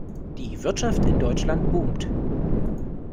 Die Wirtschaft in Deutschland boomt.